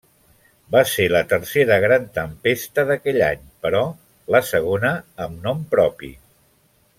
Va ser la tercera gran tempesta d'aquell any però la segona amb nom propi.